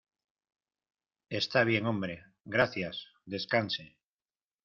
Está bien, hombre , gracias. Descanse .